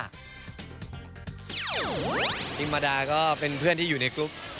ติมมาดาก็เป็นเพื่อนที่อยู่ในกรุ๊ป